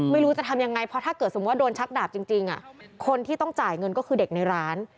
ไม่รู้จะทำยังไงเพราะถ้าเกิดสมมุติว่าโดนชักดาบจริงคนที่ต้องจ่ายเงินก็คือเด็กในร้าน